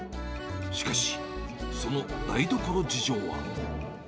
しかし、その台所事情は。